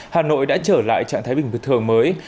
hà nội đã trở lại trạng thái bình thường mới